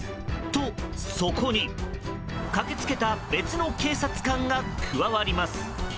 と、そこに、駆け付けた別の警察官が加わります。